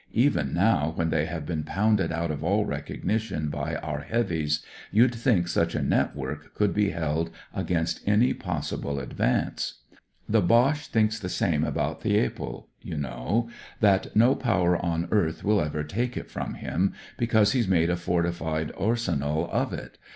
Even now, when they have been poimded out of all recognition by our heavies, you'd think such a net work could be held against any possible advance. The Boche thinks the same about Thi^pval, you know ; that no power on earth will ever take it from him, because he's made a fortified arsenal of it.